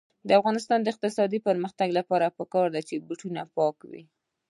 د افغانستان د اقتصادي پرمختګ لپاره پکار ده چې بوټ پاک وي.